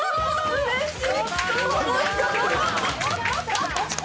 うれしい。